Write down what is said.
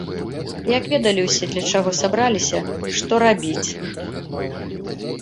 Як ведалі ўсе, для чаго сабраліся, што рабіць.